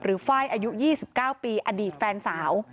ไฟล์อายุ๒๙ปีอดีตแฟนสาว